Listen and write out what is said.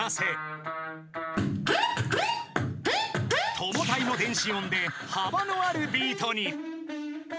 ［ともたいの電子音で幅のあるビートに］